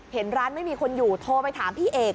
เห็นร้านไม่มีคนอยู่โทรไปถามพี่เอก